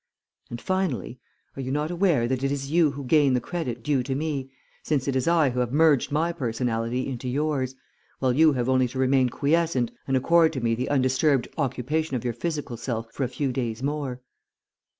And finally, are you not aware that it is you who gain the credit due to me, since it is I who have merged my personality into yours, while you have only to remain quiescent and accord to me the undisturbed occupation of your physical self for a few days more?'